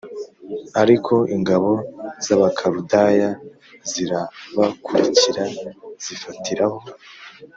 ariko ingabo z abakaludaya zirabakurikira zifatiraho